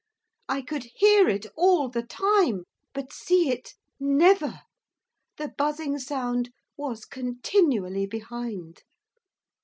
I could hear it all the time; but see it never! The buzzing sound was continually behind.